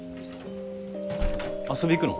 遊び行くの？